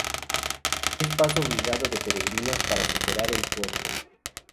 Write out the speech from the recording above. Es paso obligado de peregrinos para superar el puerto.